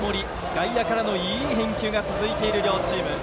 外野からのいい返球が続いている両チーム。